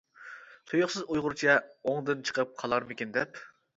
تۇيۇقسىز ئۇيغۇرچە ئوڭدىن چىقىپ قالارمىكىن دەپ.